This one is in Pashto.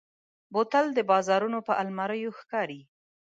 بوتل د بازارونو پر الماریو ښکاري.